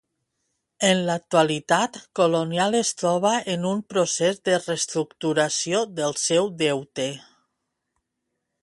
En l’actualitat, Colonial es troba en un procés de reestructuració del seu deute.